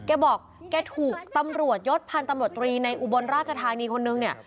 แกบอกแกถูกตำรวจยศพันธ์ตำรวจตรีในอุบลราชธานีคนนึงเนี่ย